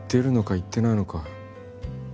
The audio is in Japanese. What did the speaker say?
いってないのか？